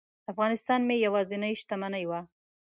افغانستان مې یوازینۍ شتمني وه.